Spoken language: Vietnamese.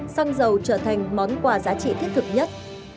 xăng dầu trở thành món quà giá trị thiết thực nhất